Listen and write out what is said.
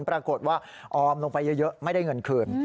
ปรากฏว่าออมลงไปเยอะไม่ได้เงินคืน